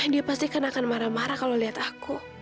dia pasti akan marah marah kalau lihat aku